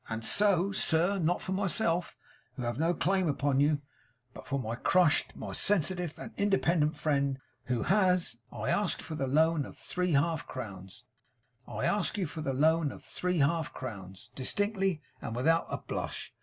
And so, sir not for myself, who have no claim upon you, but for my crushed, my sensitive and independent friend, who has I ask the loan of three half crowns. I ask you for the loan of three half crowns, distinctly, and without a blush.